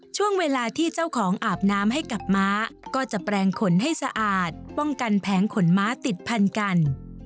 ช่วงเวลาที่เจ้าของอาบน้ำให้กับม้าก็จะแปลงขนให้สะอาดป้องกันแผงขนม้าติดพันกัน